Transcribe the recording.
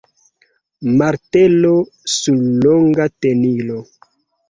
martelon sur longa tenilo.